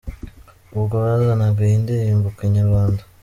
Ubwo bazanaga iyi ndirimbo ku Inyarwanda.